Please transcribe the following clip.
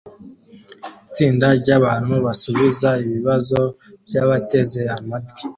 Itsinda ryabantu basubiza ibibazo byabateze amatwi